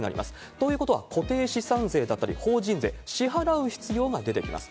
ということは、固定資産税だったり法人税、支払う必要が出てきます。